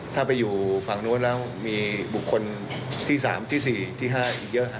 ถ้าไปอยู่ฝั่งนู้นแล้วมีบุคคลที่๓ที่๔ที่๕อีกเยอะครับ